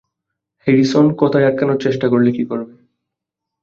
Harrison কথায় আটকানোর চেষ্টা করলে কী করবে?